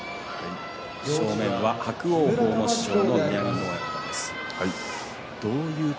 正面は伯桜鵬の師匠の宮城野親方です。